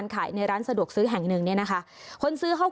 ถามหนึ่งก็เอาสิ